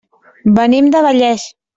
Venim de Vallés.